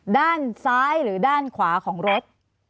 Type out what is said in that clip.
ด้านซ้ายหรือด้านขวาของรถ